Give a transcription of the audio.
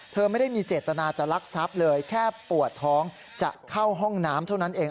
ไม่ได้มีเจตนาจะลักทรัพย์เลยแค่ปวดท้องจะเข้าห้องน้ำเท่านั้นเอง